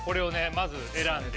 まず選んで。